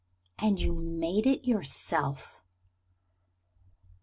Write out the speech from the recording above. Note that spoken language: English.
And you made it yourself!"